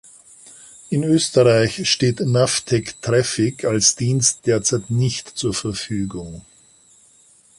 In Österreich steht Navteq Traffic als Dienst derzeit nicht zur Verfügung.